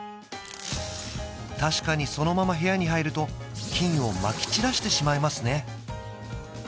確かにそのまま部屋に入ると菌をまき散らしてしまいますね